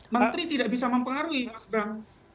menteri tidak bisa mempengaruhi